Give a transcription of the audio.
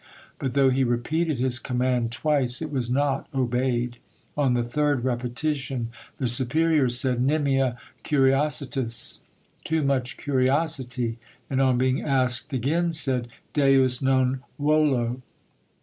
But though he repeated his command twice, it was not obeyed; on the third repetition the superior said— "Nimia curiositas" (Too much curiosity), and on being asked again, said— "Deus non volo."